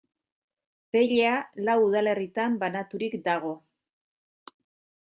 Pella lau udalerritan banaturik dago.